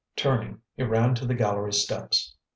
Turning, he ran to the gallery steps.